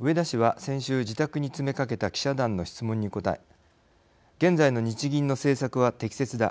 植田氏は、先週自宅に詰めかけた記者団の質問に答え現在の日銀の政策は適切だ。